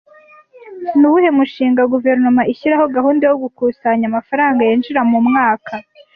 Ni uwuhe mushinga guverinoma ishyiraho gahunda yo gukusanya amafaranga yinjira mu mwaka